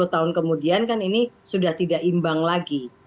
sepuluh tahun kemudian kan ini sudah tidak imbang lagi